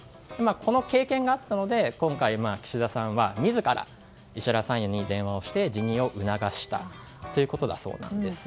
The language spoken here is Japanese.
この経験があったので今回、岸田さんは自ら石原参与に電話して辞任を促したそうです。